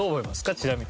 ちなみに。